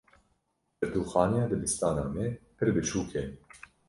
Pirtûkxaneya dibistana me pir biçûk e.